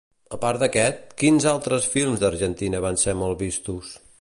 A part d'aquest, quins altres films d'Argentina van ser molt vistos?